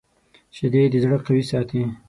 شیدې د زړه قوي ساتي